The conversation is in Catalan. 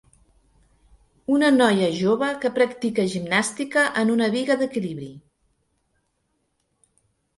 Una noia jove que practica gimnàstica en una biga d'equilibri.